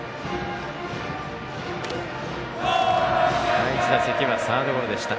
第１打席はサードゴロでした。